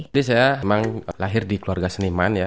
jadi saya memang lahir di keluarga seniman